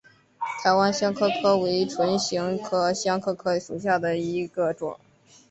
台湾香科科为唇形科香科科属下的一个种。